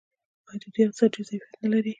آیا د دوی اقتصاد ډیر ظرفیت نلري؟